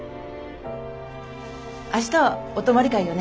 明日はお泊まり会よね。